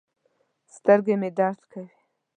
سترګې مې درد کوي